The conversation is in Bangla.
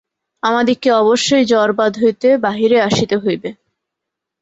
আমাদিগকে অবশ্যই জড়বাদ হইতে বাহিরে আসিতে হইবে।